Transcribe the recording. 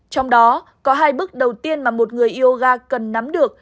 trong đó có hai bước đầu tiên mà một người yoga cần nắm được